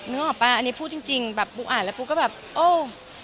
นึกออกป่ะอันนี้พูดจริงแบบปูอ่านแล้วปุ๊ก็แบบโอ้